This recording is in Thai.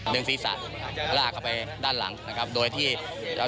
ดึงศีรษะลากเข้าไปด้านหลังนะครับ